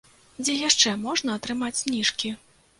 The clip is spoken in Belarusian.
Дзе яшчэ можна атрымаць зніжкі?